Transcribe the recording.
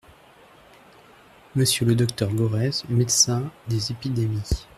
Monsieur le Dr Gorez, médecin des Épidémies.